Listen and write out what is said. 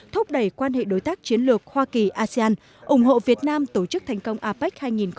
thúc đẩy quan hệ đối tác chiến lược hoa kỳ asean ủng hộ việt nam tổ chức thành công apec hai nghìn hai mươi